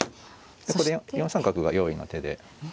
ここで４三角が用意の手で。